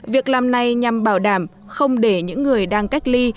việc làm này nhằm bảo đảm không để những người đang cách ly